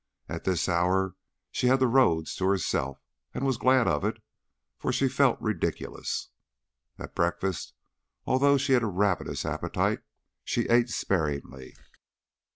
At this hour she had the roads to herself and was glad of it, for she felt ridiculous. At breakfast, although she had a ravenous appetite, she ate sparingly.